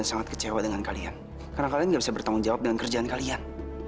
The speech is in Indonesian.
saya sangat kecewa dengan kalian karena kalian gak bisa bertanggung jawab dengan kerjaan kalian